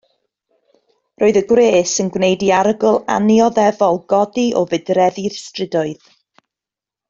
Roedd y gwres yn gwneud i arogl annioddefol godi o fudreddi'r strydoedd.